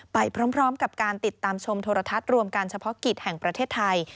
ไปพร้อมกับการติดตามชมโทรทัศน์รวมการเฉพาะกิจแห่งประเทศไทย